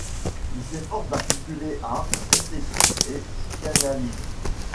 Il s'efforce d'articuler art, esthétique et psychanalyse.